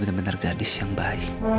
aida bener bener gadis yang baik